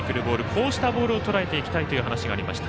こうしたボールをとらえていきたいという話がありました。